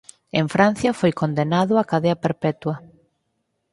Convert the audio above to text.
En Francia foi condenado a cadea perpetua.